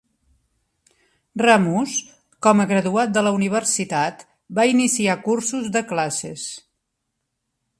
Ramus, com a graduat de la universitat, va iniciar cursos de classes.